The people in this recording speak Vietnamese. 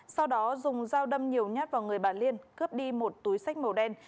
sau đó dùng dao đâm nhiều nhát vào người bà liên cướp đi một túi sách màu đen